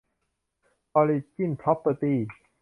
ออริจิ้น พร็อพเพอร์ตี้